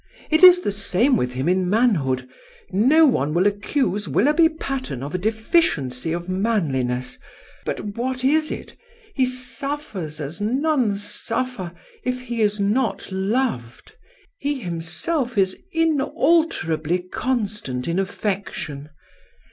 It is the same with him in manhood. No one will accuse Willoughby Patterne of a deficiency of manlinesss: but what is it? he suffers, as none suffer, if he is not loved. He himself is inalterably constant in affection."